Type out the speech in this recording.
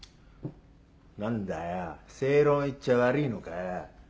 何だよ正論言っちゃ悪いのかよ。